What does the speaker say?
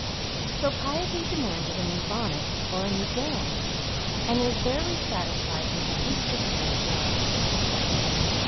So piety demanded a new bonnet, or a new gown; and was barely satisfied with an Easter pair of gloves.